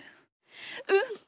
うん。